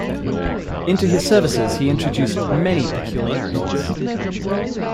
Into his services he introduced many peculiarities.